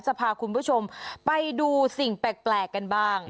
จะพาคุณผู้ชมไปดูสิ่งแปลกกันบ้าง